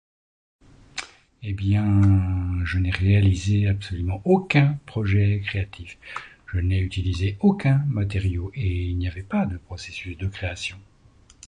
je n'ai réalisé aucun projet